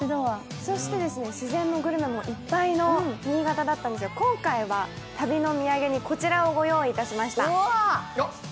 そして自然もグルメもいっぱいの新潟だったんですけど、今回は旅の土産にこちらをご用意しました。